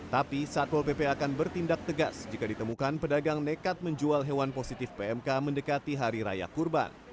tapi satpol pp akan bertindak tegas jika ditemukan pedagang nekat menjual hewan positif pmk mendekati hari raya kurban